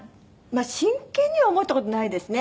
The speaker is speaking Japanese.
真剣には思った事ないですね。